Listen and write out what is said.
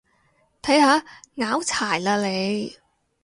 睇下，拗柴喇你